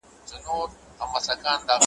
د خاورين بنده د كړو گناهونو `